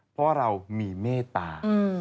เพราะเรามีเมตตา